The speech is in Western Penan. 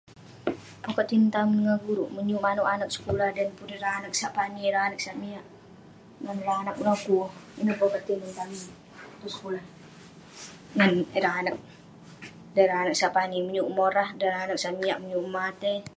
Pokat tinen tamen ngan guruk, menyuk ireh anag sekulah Dan pun ireh anag sat pani, sat miak ngan ireh anag meloku. Ineh pokat tinen tamen tong sekulah ngan ireh anag. Dan ireh anag sat pani, memorah. Dan ireh anag sat miak, menyuk mematai.